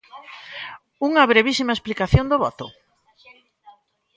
¿Unha brevísima explicación do voto?